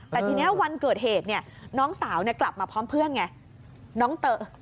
แต่ทีนี้วันเกิดเหตุน้องสาวกลับมาพร้อมเพื่อนไง